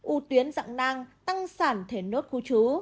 u tuyến dạng năng tăng sản thể nốt khu trú